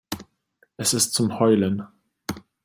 Es ist zum Heulen.